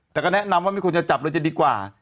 แต่ก็แนะนำว่าไม่ควรจะจับเลยจะดีกว่า